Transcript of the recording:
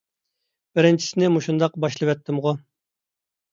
بىرىنچىسىنى مۇشۇنداق باشلىۋەتتىمغۇ!